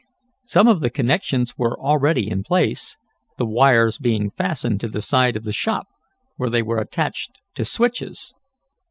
Some of the connections were already in place, the wires being fastened to the side of the shop, where they were attached to switches.